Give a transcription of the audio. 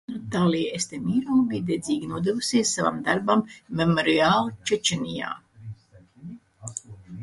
Natalia Estemirova bija dedzīgi nodevusies savam darbam Memorial Čečenijā.